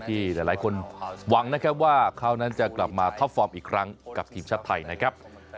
ที่หลายคนหวังนะครับว่าเขานั้นจะกลับมาท็อปฟอร์มอีกครั้งกับทีมชาติไทยนะครับ